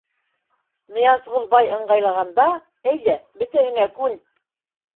Ныязғол бай ыңғайлағанда, әйҙә, бөтәһенә күн.